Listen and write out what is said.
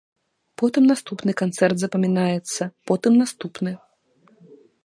Потым наступны канцэрт запамінаецца, потым наступны.